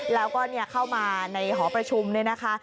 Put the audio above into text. แล้วก็เข้ามาในหอประชุมเนี่ยนะคะ